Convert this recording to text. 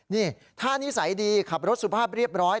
นี่ท่านิสัยดีขับรถสุภาพเรียบร้อย